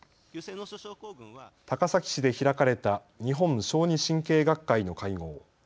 高崎市で開かれた日本小児神経学会の会合。